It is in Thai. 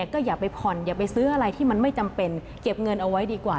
ก็อย่าไปผ่อนอย่าไปซื้ออะไรที่มันไม่จำเป็นเก็บเงินเอาไว้ดีกว่า